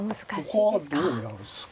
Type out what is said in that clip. ほかはどうやるんですか。